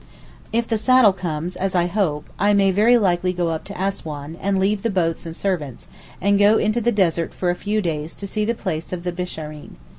If the saddle comes, as I hope, I may very likely go up to Assouan, and leave the boat and servants, and go into the desert for a few days to see the place of the Bishareen.